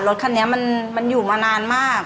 รถคันนี้มันอยู่มานานมาก